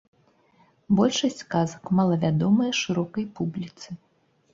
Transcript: Большасць казак малавядомыя шырокай публіцы.